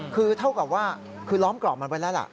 คือเท่ากับว่าคือล้อมกรอบมันไว้แล้วล่ะ